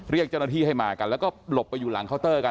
เรียกเจ้าหน้าที่ให้มากันแล้วก็หลบไปอยู่หลังเคาน์เตอร์กัน